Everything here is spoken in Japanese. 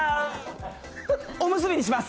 おむすびにします。